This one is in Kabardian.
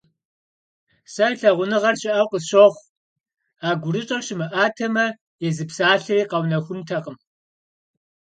Сэ лъагъуныгъэр щыӀэу къысщохъу, а гурыщӀэр щымыӀатэмэ, езы псалъэри къэунэхунтэкъым.